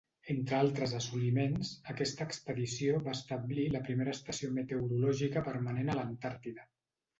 Entre altres assoliments, aquesta expedició va establir la primera estació meteorològica permanent a l'Antàrtida.